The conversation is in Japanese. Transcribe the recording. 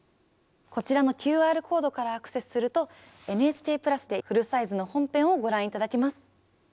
こちらのＱＲコードからアクセスすると「ＮＨＫプラス」でフルサイズの本編をご覧頂けます。